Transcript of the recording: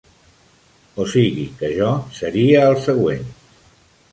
O sigui que jo seria el següent.